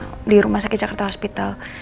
mas nino di rumah sakit jakarta hospital